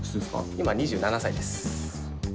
今２７歳です。